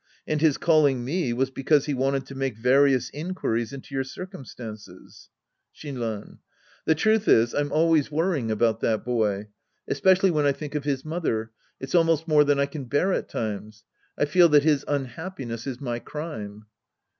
And his calling me was because he wanted to make various inquiries into your circumstances. Shinran The truth is, I'm always worrying about Sc. II The Priest and His Disciples 129 that boy. Especially when I think of his mother, it's almost more than I can bear at times. I feel that his unhappiness is my crime.